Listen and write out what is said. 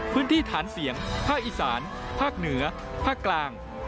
พื้นที่ฐานเสียงภาคอีสานภาคเหนือภาคกลาง